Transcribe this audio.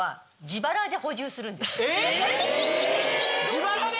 自腹で⁉